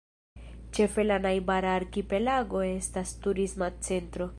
Ĉefe la najbara arkipelago estas turisma centro.